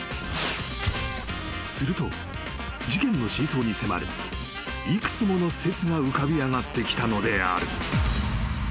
［すると事件の真相に迫る幾つもの説が浮かび上がってきたのである］